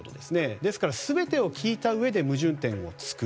ですから、全てを聞いたうえで矛盾点を突く。